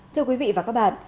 thưa quý vị và các bạn